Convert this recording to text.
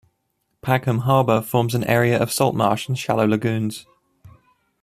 Pagham Harbour forms an area of saltmarsh and shallow lagoons.